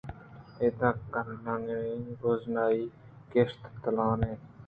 اِدا قندیلانی روژنائی گیشتر تالان اَت